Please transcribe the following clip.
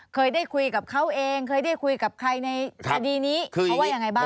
เคยได้คุยกับเขาเองเคยได้คุยกับใครในคดีนี้เขาว่ายังไงบ้าง